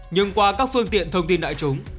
nhưng qua các phương tiện thông tin đại chúng